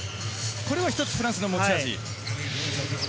これは一つ、フランスの持ち味。